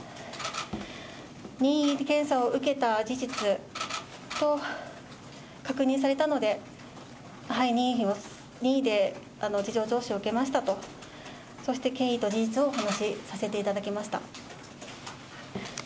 任意検査を受けた事実を確認されたので、任意で事情聴取を受けましたと、そして経緯と事実をお話させていただきました。